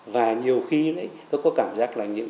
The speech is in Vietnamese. và nhiều khi có cảm giác là những